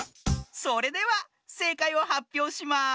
それではせいかいをはっぴょうします。